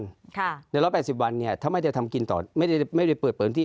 ค่ะในร้อยแปดสิบวันเนี้ยถ้าไม่ได้ทำกินต่อไม่ได้ไม่ได้เปิดเปิดพื้นที่